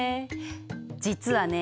実はね